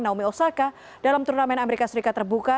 naomi osaka dalam turnamen amerika serikat terbuka